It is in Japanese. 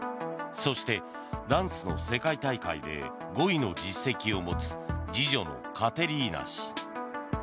そしてダンスの世界大会で５位の実績を持つ次女のカテリーナ氏。